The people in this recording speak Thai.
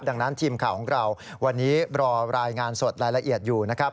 ดังนั้นทีมข่าวของเราวันนี้รอรายงานสดรายละเอียดอยู่นะครับ